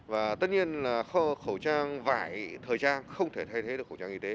và tất nhiên là kho khẩu trang vải thời trang không thể thay thế được khẩu trang y tế